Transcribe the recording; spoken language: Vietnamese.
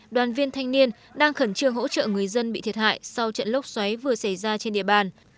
đoàn viên thanh niên đang khẩn trương hỗ trợ người dân bị thiệt hại sau trận lốc xoáy vừa xảy ra trên địa bàn